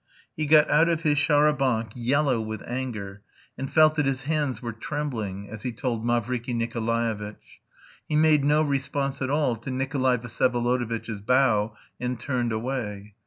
He got out of his char à banc, yellow with anger, and felt that his hands were trembling, as he told Mavriky Nikolaevitch. He made no response at all to Nikolay Vsyevolodovitch's bow, and turned away.